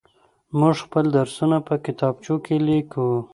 موږ خپل درسونه په کتابچو کې ليكو.